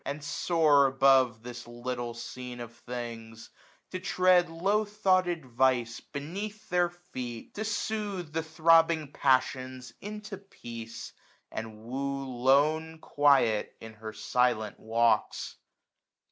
And soar above this little scene of things , To tread low thoughted vice beneath their feet; 965 To soothe the throbbing passions into peace; And woo lone Quiet in her silent walks.